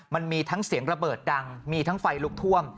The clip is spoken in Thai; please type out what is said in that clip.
มันมีทั้งเสียงระเบิดดังมีทั้งไฟลุกท่วม